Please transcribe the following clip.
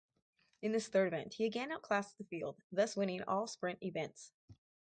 In his third event, he again outclassed the field, thus winning all sprint events.